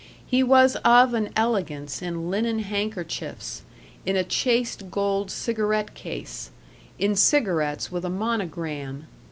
He was of an elegance in linen handkerchiefs, in a chased gold cigarette case, in cigarettes with a monogram.